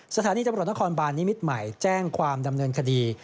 สถานีตำรวจนครบานนิมิตรใหม่แจ้งความดำเนินคดี